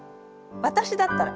私だったら。